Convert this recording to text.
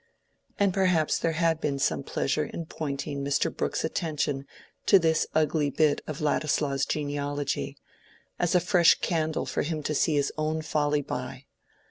And perhaps there had been some pleasure in pointing Mr. Brooke's attention to this ugly bit of Ladislaw's genealogy, as a fresh candle for him to see his own folly by.